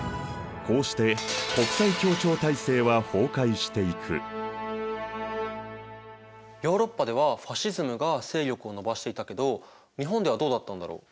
こうしてヨーロッパではファシズムが勢力を伸ばしていたけど日本ではどうだったんだろう？